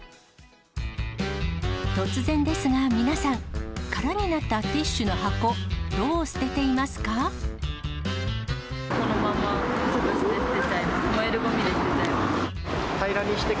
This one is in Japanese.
突然ですが皆さん、空になったティッシュの箱、どう捨てていますか？